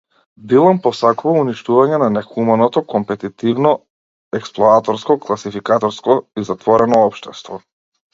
Дилан посакува уништување на нехуманото, компетитивно, експлоататорско, класификаторско и затворено општество.